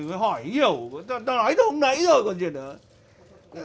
mới hỏi nhiều tao nói thôi hôm nãy rồi còn gì nữa